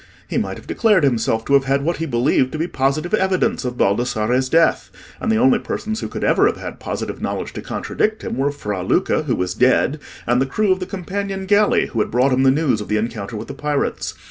He might have declared himself to have had what he believed to be positive evidence of Baldassarre's death; and the only persons who could ever have had positive knowledge to contradict him, were Fra Luca, who was dead, and the crew of the companion galley, who had brought him the news of the encounter with the pirates.